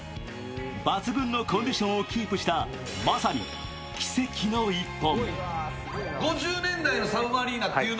抜群のコンディションをキープしたまさに奇跡の１本。